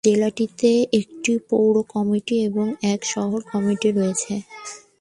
জেলাটিতে একটি পৌর কমিটি এবং এক শহরে কমিটি রয়েছে।